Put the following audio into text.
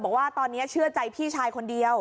บอกว่าตอนนี้เชื่อใจพี่ชายคนเดียว